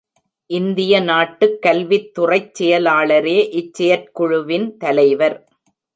இந்திய நாட்டுக் கல்வித் துறைச் செயலாளரே இச் செயற்குழுவின் தலைவர்.